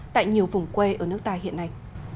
tại nhiều vùng quê ở nước ta hiện nay